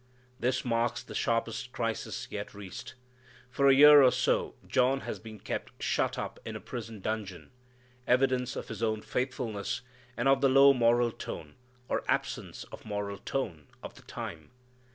This marks the sharpest crisis yet reached. For a year or so John had been kept shut up in a prison dungeon, evidence of his own faithfulness, and of the low moral tone, or absence of moral tone, of the time.